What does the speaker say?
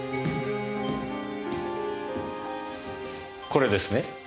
これですね。